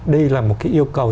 đây là một cái yêu cầu